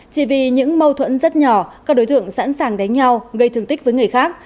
chỉ vì những mâu thuẫn rất nhỏ các đối tượng sẵn sàng đánh nhau gây thương tích với người khác